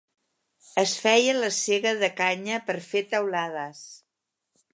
Es feia la sega de canya per fer teulades.